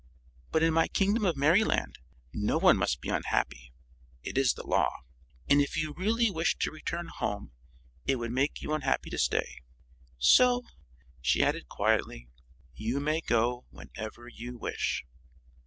But in my Kingdom of Merryland no one must be unhappy it is the law. And if you really wish to return home it would make you unhappy to stay. So," she added, quietly, "you may go whenever you wish."